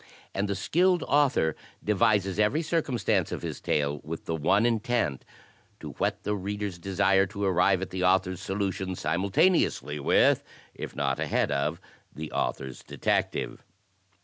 And the skilled author devises every ci'rciunstance of his tale with the one intent, to whet the reader's desire to arrive at the author's solution simultaneously with, if not ahead of the author's detective.